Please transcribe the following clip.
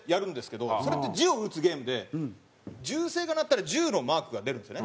それって銃を撃つゲームで銃声が鳴ったら銃のマークが出るんですね。